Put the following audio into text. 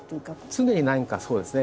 常に何かそうですね。